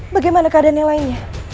bagaimana keadaan yang lainnya